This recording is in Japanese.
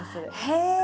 へえ！